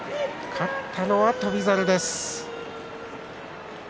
勝ったのは翔猿です。